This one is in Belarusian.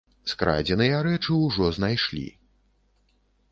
Скрадзеныя рэчы ўжо знайшлі.